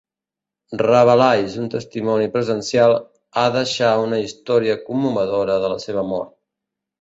Rabelais, un testimoni presencial, ha deixar una història commovedora de la seva mort.